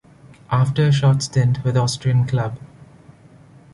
After a short stint with Austrian club.